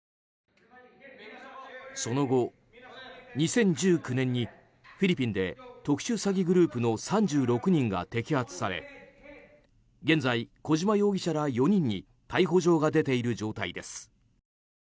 その後、２０１９年にフィリピンで特殊詐欺グループの３６人が摘発され現在、小島容疑者ら４人に逮捕状が出ている状態です。